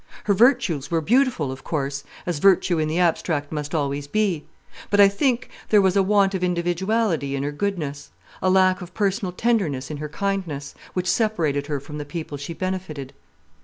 Her virtues were beautiful, of course, as virtue in the abstract must always be; but I think there was a want of individuality in her goodness, a lack of personal tenderness in her kindness, which separated her from the people she benefited.